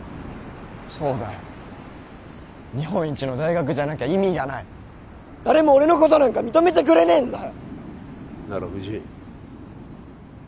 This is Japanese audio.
そうだよ日本一の大学じゃなきゃ意味がない誰も俺のことなんか認めてくれねえんだよ！